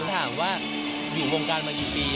ถามว่าอยู่วงการมากี่ปี